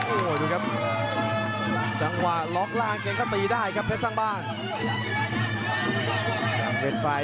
โอ้โหดูครับจังหวะล็อกล่างแกก็ตีได้ครับเพชรสร้างบ้าน